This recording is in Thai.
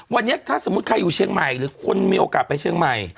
วันนี้ถ้าสมมุติใครอยู่เชียงใหม่หรือคนมีโอกาสไปเชียงใหม่